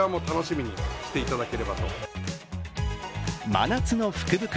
真夏の福袋。